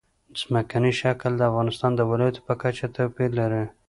ځمکنی شکل د افغانستان د ولایاتو په کچه توپیر لري.